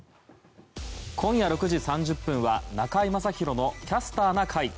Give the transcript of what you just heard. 今夜６時３０分は「中居正広のキャスターな会」。